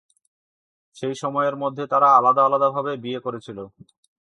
সেই সময়ের মধ্যে তারা আলাদা আলাদাভাবে বিয়ে করেছিল।